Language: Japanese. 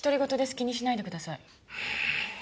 気にしないでください。